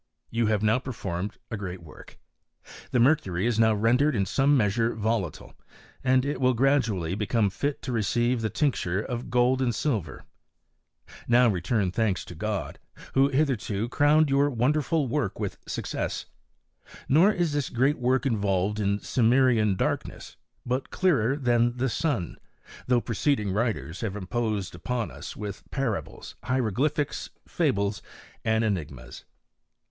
You have now performed a work. The mercury is now rendered in some measi volatile, and it will gradually become fit to receive thf tincture of gold and silver. Now return thanks |j| * Probably connive subUmtte. f Probably ealoihel. ^ OF ALCHTMT. 26 Qody who has hitherto crowned yonr wonderful work with success ; nor is this great work involved in Cim merian darkness, but clearer than the sun; though preceding writers have imposed upon us with parables, hieroglyphics, fables, and enigmas.